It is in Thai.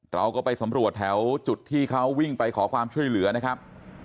เราก็ไปสำรวจแถวจุดที่เขาวิ่งไปขอความช่วยเหลือนะครับ